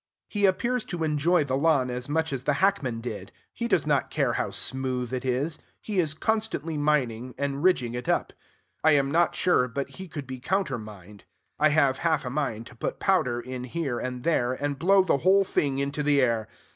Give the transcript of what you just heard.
He appears to enjoy the lawn as much as the hackmen did. He does not care how smooth it is. He is constantly mining, and ridging it up. I am not sure but he could be countermined. I have half a mind to put powder in here and there, and blow the whole thing into the air.